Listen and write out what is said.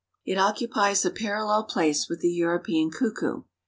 It occupies a parallel place with the European cuckoo.